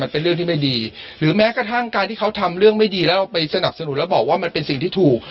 เป็นเรื่องที่ไม่ดีหรือแม้กระทั่งการที่เขาทำเรื่องไม่ดีแล้วเราไปสนับสนุนแล้วบอกว่ามันเป็นสิ่งที่ถูก